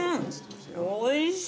おいしい！